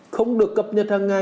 không được cập nhật